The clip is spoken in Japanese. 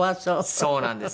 そうなんです。